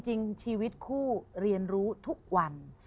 ชีวิตคู่เรียนรู้ทุกวัน